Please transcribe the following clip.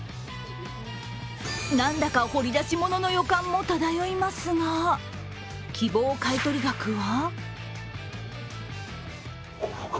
なんだか掘り出し物の予感も漂いますが、希望買い取り額は？